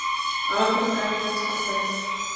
أردت أن أعرف مستقبلي.